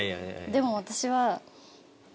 でも私は。